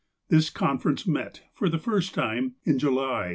This conference met, for the first time, in July, 1881.